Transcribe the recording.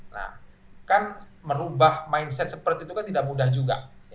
nah kan merubah mindset seperti itu kan tidak mudah juga